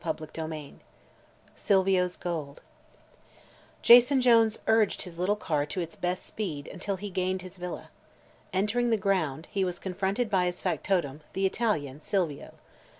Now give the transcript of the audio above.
CHAPTER XII SILVIO'S GOLD Jason Jones urged his little car to its best speed until he gained his villa. Entering the ground, he was confronted by his factotum, the Italian, Silvio.